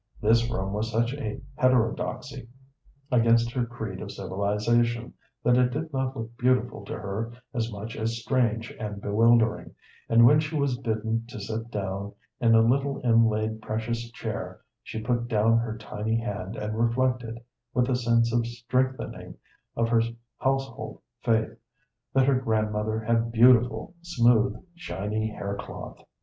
This room was such a heterodoxy against her creed of civilization that it did not look beautiful to her as much as strange and bewildering, and when she was bidden to sit down in a little inlaid precious chair she put down her tiny hand and reflected, with a sense of strengthening of her household faith, that her grandmother had beautiful, smooth, shiny hair cloth.